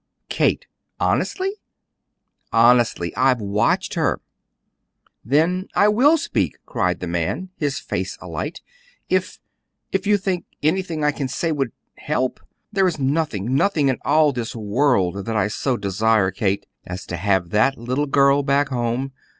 "Kate! Honestly?" "Honestly! I've watched her." "Then I WILL speak," cried the man, his face alight, "if if you think anything I can say would help. There is nothing nothing in all this world that I so desire, Kate, as to have that little girl back home.